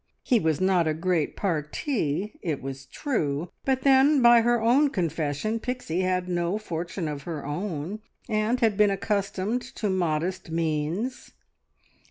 He was not a great parti it was true, but then by her own confession Pixie had no fortune of her own, and had been accustomed to modest means.